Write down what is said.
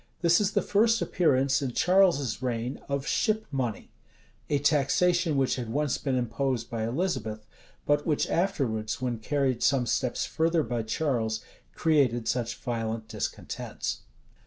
This is the first appearance, in Charles's reign, of ship money; a taxation which had once been imposed by Elizabeth, but which afterwards, when carried some steps further by Charles, created such violent discontents.